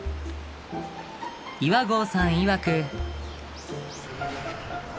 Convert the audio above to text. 岩合さんいわく。